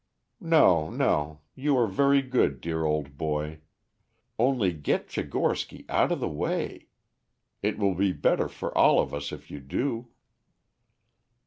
"No, no. You are very good, dear old boy. Only get Tchigorsky out of the way. It will be better for us all if you do."